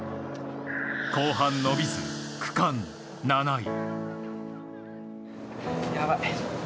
後半伸びず、区間７位。